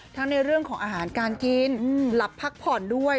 ในเรื่องของอาหารการกินหลับพักผ่อนด้วย